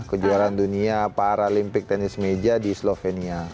kejuaraan dunia paralimpik tenis meja di slovenia